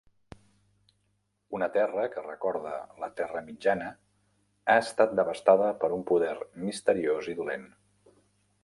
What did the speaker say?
Una terra que recorda la Terra Mitjana ha estat devastada per un poder misteriós i dolent.